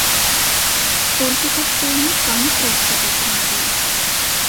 Столькі каштуе не самы просты аўтамабіль!